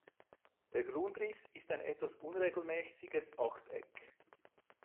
Der Grundriss ist ein etwas unregelmäßiges Achteck.